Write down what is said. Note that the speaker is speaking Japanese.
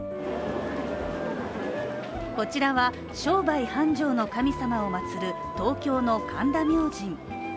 こちらは、商売繁盛の神様を祭る東京の神田明神。